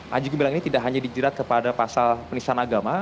panji gumilang ini tidak hanya dijerat kepada pasal penistaan agama